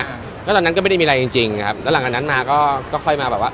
ก็ตอนนั้นก็ไม่ได้มีอะไรจริงจริงครับแล้วหลังจากนั้นมาก็ก็ค่อยมาแบบว่า